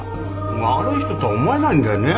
悪い人とは思えないんだよね。